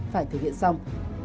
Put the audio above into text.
phải thực hiện xong